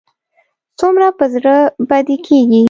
څومره به زړه بدی کېږي.